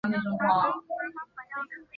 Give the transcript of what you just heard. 机械表避震器就是吸收冲击带来的能量。